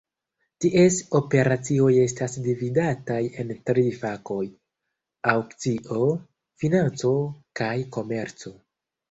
Ties operacioj estas dividataj en tri fakoj: Aŭkcio, Financo, kaj Komerco.